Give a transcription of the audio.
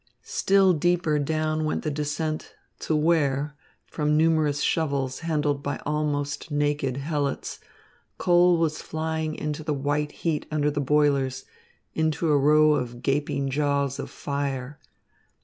Still deeper down went the descent, to where, from numerous shovels handled by almost naked helots, coal was flying into the white heat under the boilers, into a row of gaping jaws of fire.